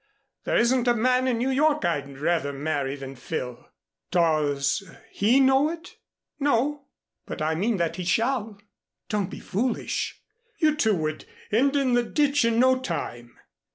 There isn't a man in New York I'd rather marry than Phil." "Does he know it?" "No. But I mean that he shall." "Don't be foolish. You two would end in the ditch in no time."